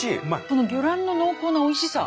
この魚卵の濃厚なおいしさ。